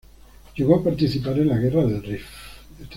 Llegó a participar en la Guerra del Rif.